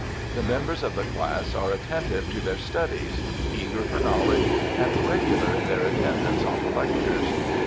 The members of the class are attentive to their studies, eager for knowledge, and regular in their attendance on the lectures.